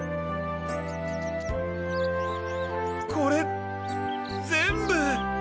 これ全部。